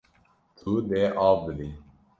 Tu dê av bidî.